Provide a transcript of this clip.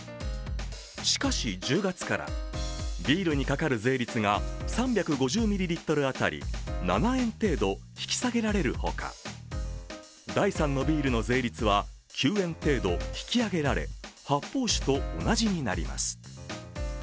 しかし、１０月からビールにかかる税率が３５０ミリリットル当たり７円程度引き下げられるほか、第３のビールの税率は９円程度引き上げられ発泡酒と同じになります。